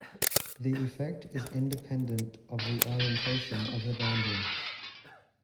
The effect is independent of the orientation of the boundary.